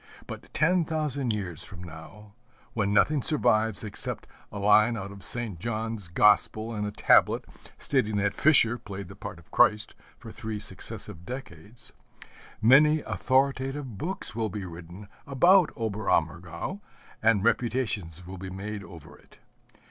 But ten thousand years from now, when nothing survives except a line out of St. John's Gospel and a tablet stating that Fischer played the part of Christ for three successive decades, many authoritative books will be written about Oberammergau, and reputations will be made over it.